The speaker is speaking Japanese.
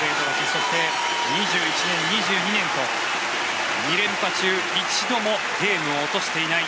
そして、２１年、２２年と２連覇中一度もゲームを落としていない。